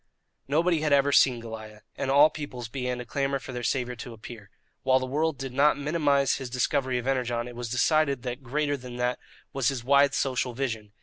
Nobody had ever seen Goliah, and all peoples began to clamour for their saviour to appear. While the world did not minimize his discovery of Energon, it was decided that greater than that was his wide social vision.